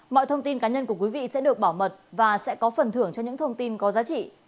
mọi thông tin cá nhân của quý vị sẽ được bảo mật và sẽ có phần thưởng cho những thông tin có giá trị